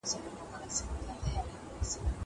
زه اوږده وخت سبزېجات تياروم وم!!